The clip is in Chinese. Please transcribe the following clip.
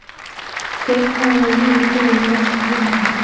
随后议会由选举产生。